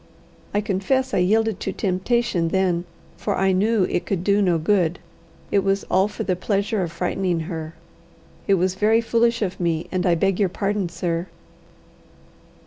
"I confess I yielded to temptation then, for I knew it could do no good. It was all for the pleasure of frightening her. It was very foolish of me, and I beg your pardon, sir."